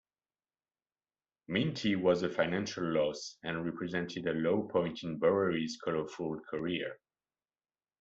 Minty was a financial loss and represented a low point in Bowery's colourful career.